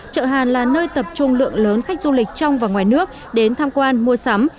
chợ hàn là nơi tập trung lượng lớn khách du lịch trong và ngoài nước đến tham quan mua sắm